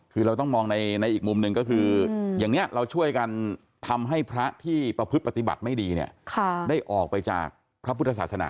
คือเราต้องมองในอีกมุมหนึ่งก็คืออย่างนี้เราช่วยกันทำให้พระที่ประพฤติปฏิบัติไม่ดีเนี่ยได้ออกไปจากพระพุทธศาสนา